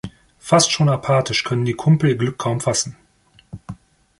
Fast schon apathisch können die Kumpel ihr Glück kaum fassen.